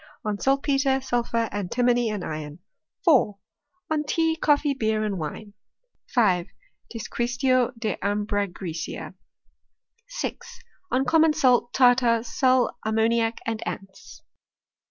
On saltpetre, sulphur, antimony, and iron. 4. On tea, coffee, beer, and wine. 6. Disquisitio de ambragrysea. i 6. On common salt, tartar, sal ammoniac and ants.